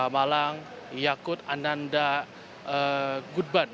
malang yakut ananda gudban